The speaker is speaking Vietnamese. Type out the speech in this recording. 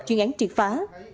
chuyên án triệt phá